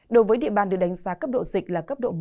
đối với địa bàn được đánh giá cấp độ dịch là cấp độ một